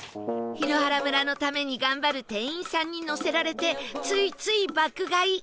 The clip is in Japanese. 檜原村のために頑張る店員さんに乗せられてついつい爆買い